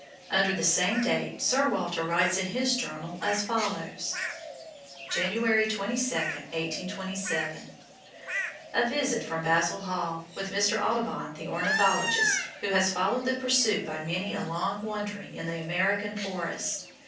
Under the same date, Sir Walter writes in his journal as follows: "January 22, 1827. A visit from Basil Hall, with Mr. Audubon, the ornithologist, who has followed the pursuit by many a long wandering in the American forests.